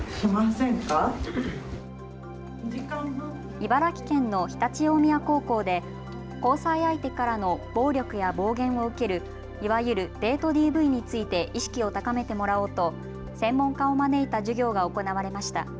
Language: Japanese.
茨城県の常陸大宮高校で交際相手からの暴力や暴言を受けるいわゆるデートＤＶについて意識を高めてもらおうと専門家を招いた授業が行われました。